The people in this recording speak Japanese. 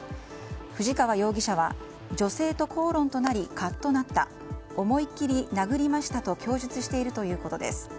藤川容疑者は女性と口論となり、カッとなった思い切り殴りましたと供述しているということです。